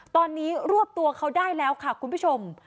ตอนนี้รวบตัวเขาได้แล้วค่ะคุณผู้ชม